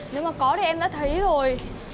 nếu mà có thì em đã thấy rồi